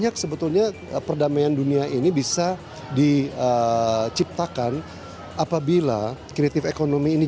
dan kesejahteraan banyak sebetulnya perdamaian dunia ini bisa diciptakan apabila kreatif ekonomi ini